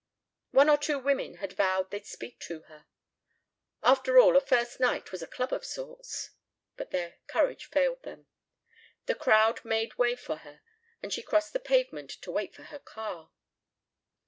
One or two women had vowed they'd speak to her. After all a first night was a club of sorts. But their courage failed them. The crowd made way for her and she crossed the pavement to wait for her car.